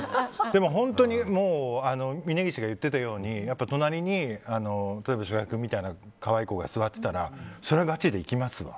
でも本当に峯岸が言っていたように隣に、翔平君みたいな可愛い子が座ってたらそれはガチでいきますわ。